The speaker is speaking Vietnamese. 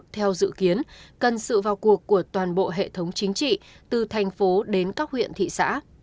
theo dự kiến cần sự vào cuộc của toàn bộ hệ thống chính trị từ thành phố đến các huyện thị xã